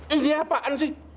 ini apaan sih